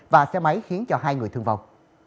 và xe máy khiến hai người thương vong